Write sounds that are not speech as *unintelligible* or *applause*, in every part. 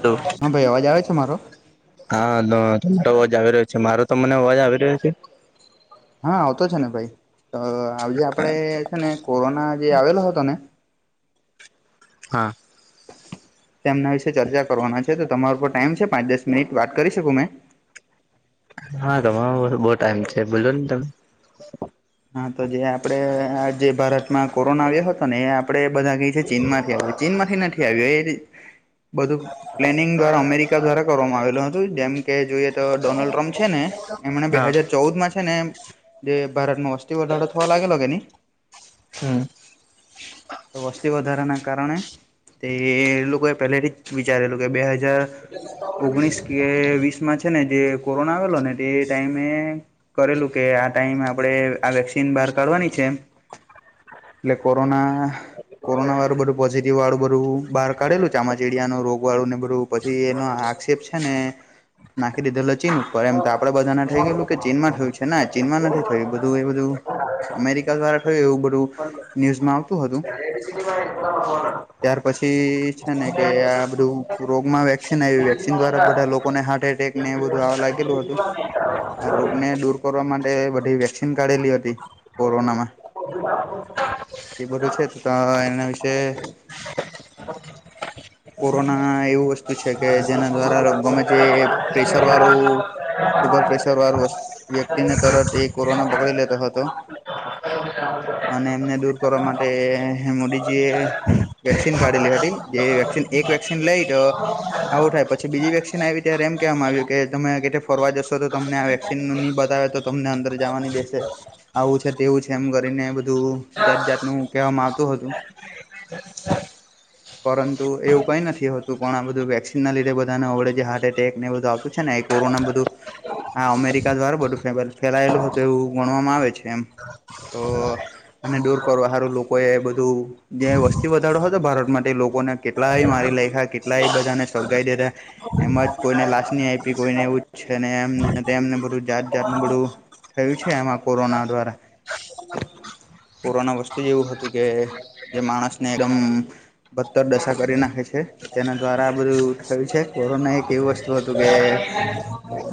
Hello હા ભાઈ અવાજ આવે છે મારો *inaudible* હા હલો. અવાજ આવી રહ્યો છે મારો તો મને અવાજ આવી રહ્યો છે. હા આવતો છે ને ભાઈ. તો આવજે આપડે છે ને કોરોના જે આવેલો હતો ને હા. તેમના વિશે ચર્ચા કરવાના છે તો તમારા ઉપર ટાઈમ છે પાંચ દસ મિનિટ વાત કરી શકું મેં. હા તમાર માટે બહુ ટાઈમ છે બોલો ને તમે. હા તો જે આપડે આ જે ભારતમાં કોરોના આવ્યો હતો ને એ આપણેે બધા કઈ છે ચીન માંથી આયો ચીન માંથી નથી આવ્યું એ બધું પ્લેનિંગ દ્વારા અમેરિકા દ્વારા કરવામાં આવેલું હતું જેમ કે જોઈએ તો ડોનાલ્ડ ટ્રમ્પ છે ને, એમને બે હા. હાજાર ચૌદ માં છે ને જે ભારત ન થી વધારો થવા લાગેલો કે નહી. હમ્મ. તો વસ્તી વધારા ના કારણે. તે લોકો એ પહેલેથી જ વિચારેલું કે બે હજાર ઓગણીસ કે વીસ માં છે ને જે કોરોના આવેલો ને તે ટાઈમે કરેલું કે ટાઈમ આપણેે આ વેક્સિન બહાર કાઢવાની છે, એ એટલે કોરોના કોરોના વાળું બધું પોઝિટિવ વાળું બધું બહાર કાઢેલું ચામાચીડિયાનુ રોગ વાળું ને બધું પછી એ આક્ષેપ છે ને. નાખી દીધેલ ચીન ઉપર એમ તો આપડે બધાને થઈ ગયું કે ચીનમાં થયું છે ને ચીન માં નથી થયું. બધું એ બધું અમેરિકા દ્વારા થયું એવું બધું, ન્યૂઝમાં આવતું હતું. *unintelligible* ત્યાર પછી છે ને કે આ બધું રોગમાં વેક્સિન આયી વેક્સિન દ્વારા બધા લોકોને હાટે ને એ બધું આવા લાગેલું હતું, આ રોગને દૂર કરવા માટે બધી વેક્સી કાઢેલી હતી, કોરોનામાં. એ બધું છે એના વિશે. *inaudible* કોરોના એવું વસ્તુ છે કે જેના દ્વારા ગમે તે પ્રેશર વાળું સુુગર પ્રેશર વારુ વ્યક્તિને તરત એ કોરોના પકડી લેતો હતો. અને એમને દૂર કરવા માટે મોદીજી એ વેક્સિન કઢલી જે વક્સિન એક વક્સિન લઈ તો. આવું થાય પછી બીજી વેક્સિન આવી ત્યારે એમ કેવામાં આવ્યું કે તમે કે ફરવા જશો તો તમને વેક્સિનની બધા આવે તો તમને અંદર જવાની દેશે. આવું છે તેવું છે એમ કરીને બધું જાત જાતનુ કહેવામાં આવતું હતું. *inaudible* *inaudible* પરંતુ એવું કઈ નથી હોતું પણ આ બધુ વેક્સસીનના લીધે બધાને અવડે જે હાર્ટ એટેક ને એ બધું આવતું છે ને. કોરોના બધું, આ અમેરિકા દ્વારા બધું ફેલાયેલું હતું. તો એવું ગણવામાં આવે છે એમ. તો અને દૂર કરવા હારું લોકો એ બધું જે વસ્તી વધાડો હતો ભારત માટે લોકો કેટલાય મારી લેખા કેટલાય બધાને સળગાવી દેતા, એમજ કોઈને લાશ ની આયપી કોઈને એવું છે એમ એમને બધું જાત જાતનું બધું થયું છે આમાં કોરોના દ્વારા. કોરોના વસ્તુ એવું હતું કે, જે માણસને એકદમ ભદતર દશા કરી નાખે છે. તેના દ્વારા આ બધું થયું છે કોરોના એક એવું વસ્તુ હતું કે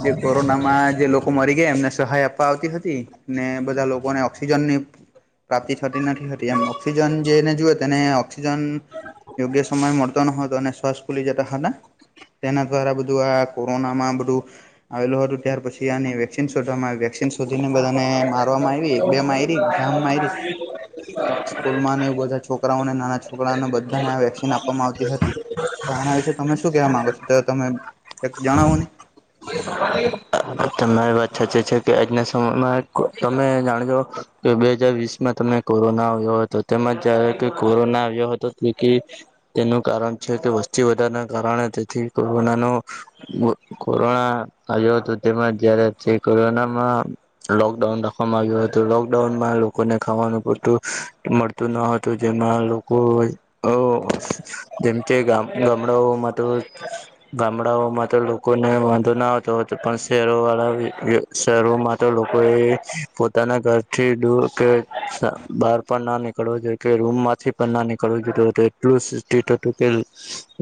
જે કોરોનામાં જે લોકો મરી ગયા એમને સહાય આપ પાવતી હતી, ને બધા લોકોને ઓક્સિજનની પ્રાપ્તિ થતી નથી હતી એમ ઓક્સિજન જેને જુવેએ તેને ઓક્સિજન યોગ્ય સમય મળતો ન હોય તો અનેને શ્વાસ પુલી જતા હટા તેના દ્વારા બધું આ કોરોનામાં બધું, આવેલું હતું ત્યાર પછી આ વેક્સિન શોધવા આવી. બધાને મારવામાં આવી બે મારી *unintelligible* સ્કૂલમાં અને એ બધા છોકરાઓને નાના છોકરાઓને બધાને આ વેક્સિન આપવામાં આવતી હતી. તો આના વિશે તમે શું કેવા માંગો છો તો તમે કક જણાવો ને? *inaudible* તમારી વાત સાચી છે કે આજના સમયમાં તમે જાણજો, કે બે હજાર વીસમાં તમને કોરોના આવ્યો હતો તેમજ જયારે કોરોના આવ્યો હતો. જે, તેનું કારણ છે કે વસ્તી વધારના કારણે તેથી કોરોનાનો. કોરોના આયો તો તેમાં જયારે જે કોરોનામાં લોકડાઉન રાખવામાં આવ્યું હતું લોકડાઉન માં લોકોને ખા પૂરતું મળતું ન હતું જેમાં લોકો અ જેમ કે ગામ ગામડાઓમાં તો ગામડાઓમાં તો લોકોને વાંધો ના આવતો હતો પણ શહેરો વાળા શહેરોમાં તો લોકો એ પોતાના ઘરથી દૂર કે બહાર પણ ના નીકળવો જોઈએ કે રૂમ માંથી પણ ના નીકળવું જોતું હટુ એટલું સ હતું કે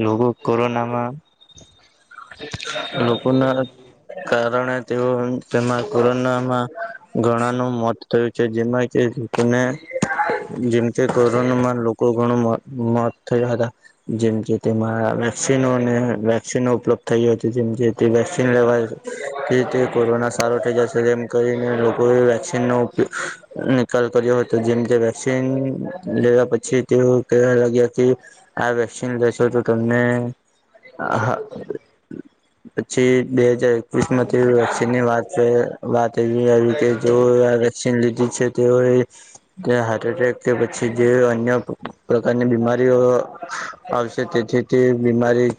લોકો કોરોના માં *inaudible* લોકોના કારણે તેઓ તેમાં કોરોનામાં ઘણાનું મોત થયું છે જેમાં ને જેમ કે કોરોનામાં લોકો ઘણું મોત થયા હતા જેમકે તેમાં. વેક્સિનોને વેક્સિનો ઉપલબ્ધ થઈ હતી જેમ જે તે વેક્સિન લેવા. કે તે કોરોના સારો થઈ જશે જે કરીને લોકોએ વેક્સિનનો ઉપયોગ. કર્યો હતો જેમ તે વેક્સન લેવા પછી તેઓ કવા લાગ્યા કે આ. લેશો તો તને પછી. કસ્મતી વેક્નની વાત વાત કે જો વેક્સન લીધ. તેઓ હાર્ટ એટેક કે પછી જે અન્ય પ્રકારની બીમારીઓ. આવશે તેથી તે બીમારી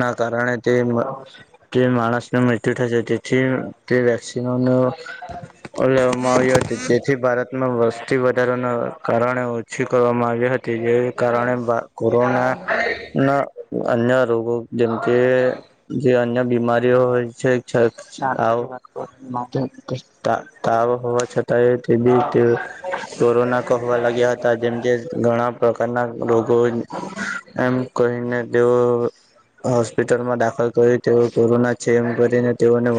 ના કારણે તે માણસને. દુ થજ ડથી પ વેક્સીનઑ ન. લેવામાં આવ્યો હતો જેથી ભારતમાં વસ્તી વધારવાના કારણે ઓછી કરવામાં આવી હતી જે કારણે કોરોના ના અન્ય રોગો જેમ કે જે અન્ય. બીમાારીઓ હોય છે. તાવ હોવા છતાં તે બી તે કોરોના કહવા લાગ્યા હતા જેમ કે ઘણા. પ્રકારના રોગો એમ કહીને તેઓ. હોસ્પિટલમાં દાખલ કર્યું તે કોરોના છે એમ. તેઓને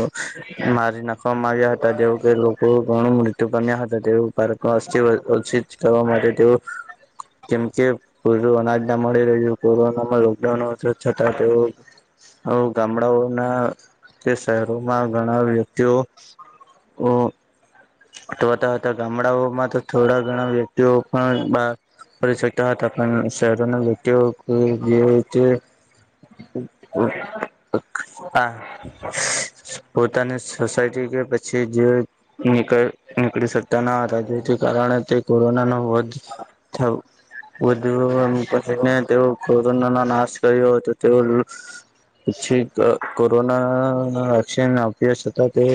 મારી નાખવાવામાં આવ્યા હતા તેઓ કે લોકો ઘણું મૃત્યુ પામ્યા હતા તે. ભારતમાં અસ્થસિત કરવા માટે તેવું. કેમ કે પૂરું અનાજ ના મળી રહ્યું છે કોરોના લોકડાઉન છતાં તે. હવ ગામડાઓના. તે શહેરોમાં ઘણા વ્યક્તિઓ. તોતા હતા ગામડાઓમાં તો થોડા ઘણા વ્યક્તિઓ પણ બ. કરી શકતા હતા પણ શહેરોના વ્યક્તિ જે. હા પોતાની સોસાયટી. પછી જે. નીકળી શકતા ન હતા જેથી કારણે તે કોરોના ન વધ થ. વધુ કરીને તે કોરોનાનો નાશ કર્યો હતો તે. પછી કોરોના વેક્સિન આપ્યા છતાં તે.